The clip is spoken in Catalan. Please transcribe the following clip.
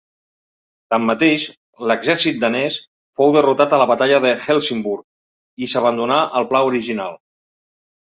Tanmateix, l'exèrcit danès fou derrotat a la batalla de Helsingborg i s'abandonà el pla original.